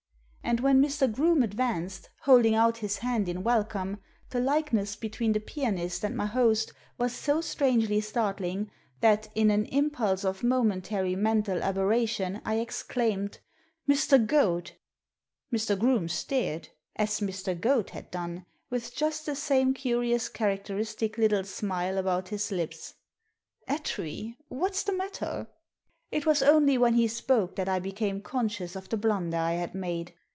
And when Mr. Groome advanced, holding out his hand in welcome, the likeness between the pianist and my host was so strangely startling that, in an impulse of momentaiy mental aberration, I exclaimed — •Mr. Goad!" Mr. Groome stared — as Mr. Goad had done, with just the same curious characteristic little smile about his lips. " Attree ! What's the matter ?" It was only when he spoke that I became conscious of the blunder I had made.